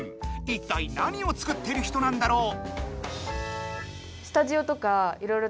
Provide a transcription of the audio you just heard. いったい何を作ってる人なんだろう？